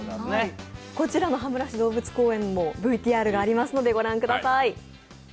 こちらの羽村市動物公園もＶＴＲございますので、ご覧ください。